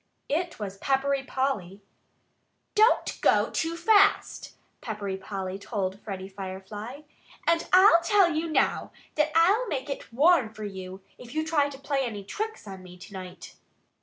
It was Peppery Polly. "Don't go too fast!" Peppery Polly told Freddie Firefly. "And I'll tell you now that I'll make it warm for you if you try to play any tricks on me to night."